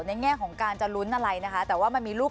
แง่ของการจะลุ้นอะไรนะคะแต่ว่ามันมีรูป